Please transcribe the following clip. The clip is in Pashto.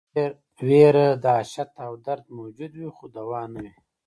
ویره، دهشت او درد موجود وي خو دوا نه وي.